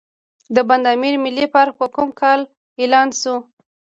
د بند امیر ملي پارک په کوم کال اعلان شو؟